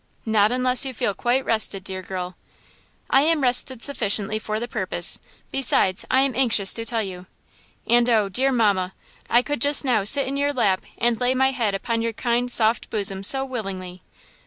"Not unless you feel quite rested, dear girl." "I am rested sufficiently for the purpose; besides, I am anxious to tell you. And oh, dear mamma! I could just now sit in your lap and lay my head upon your kind, soft bosom so willingly!"